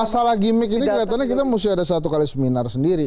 masalah gimmick ini kelihatannya kita mesti ada satu kali seminar sendiri